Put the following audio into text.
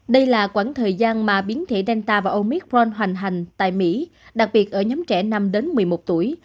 đây là quãng thời gian mà biến thể danta và omicron hoành hành tại mỹ đặc biệt ở nhóm trẻ năm đến một mươi một tuổi